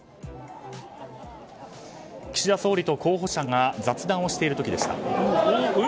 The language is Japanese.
岸田総理と候補者が雑談をしている時でした。